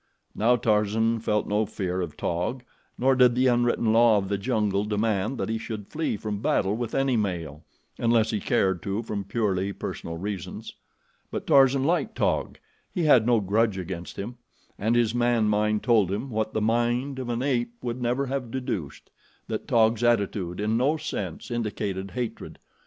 Now Tarzan felt no fear of Taug, nor did the unwritten law of the jungle demand that he should flee from battle with any male, unless he cared to from purely personal reasons. But Tarzan liked Taug. He had no grudge against him, and his man mind told him what the mind of an ape would never have deduced that Taug's attitude in no sense indicated hatred.